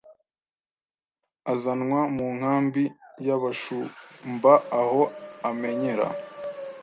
azanwa mu nkambi yabashumbaaho amenyera